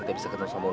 ada yang ditunggu